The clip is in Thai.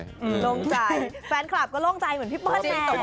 ลงใจแฟนคลับก็ลงใจเหมือนพี่เบอร์แชร์